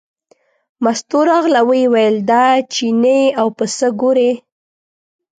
مستو راغله او ویې ویل دا چینی او پسه ګورې.